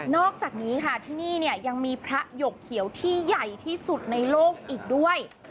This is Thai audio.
อกจากนี้ค่ะที่นี่เนี่ยยังมีพระหยกเขียวที่ใหญ่ที่สุดในโลกอีกด้วย